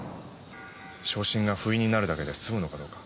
昇進がふいになるだけで済むのかどうか。